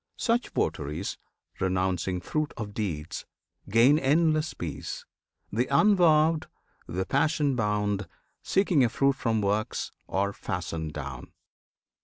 Such votaries, renouncing fruit of deeds, Gain endless peace: the unvowed, the passion bound, Seeking a fruit from works, are fastened down.